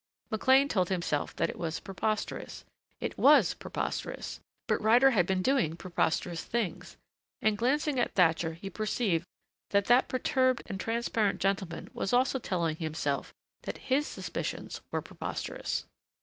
McLean told himself that it was preposterous. It was preposterous but Ryder had been doing preposterous things.... And glancing at Thatcher he perceived that that perturbed and transparent gentleman was also telling himself that his suspicions were preposterous.